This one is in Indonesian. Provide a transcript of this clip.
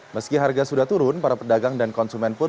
meski harga sudah turun para pedagang dan konsumen pun